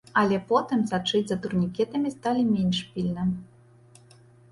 Але потым сачыць за турнікетамі сталі менш пільна.